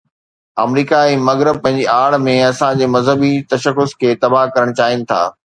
آمريڪا ۽ مغرب پنهنجي آڙ ۾ اسان جي مذهبي تشخص کي تباهه ڪرڻ چاهين ٿا.